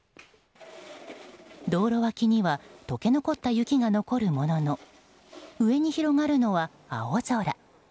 道路脇には解け残った雪が残るものの上に広がるのは青空。